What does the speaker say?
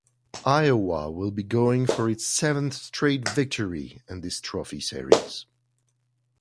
Iowa will be going for its seventh straight victory in this trophy series.